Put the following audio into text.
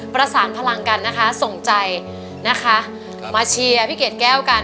ประสานพลังกันนะคะส่งใจนะคะมาเชียร์พี่เกดแก้วกัน